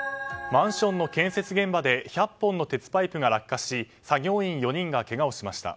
マンションの建設現場で１００本の鉄パイプが落下し作業員４人がけがをしました。